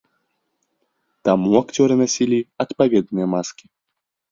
Таму акцёры насілі адпаведныя маскі.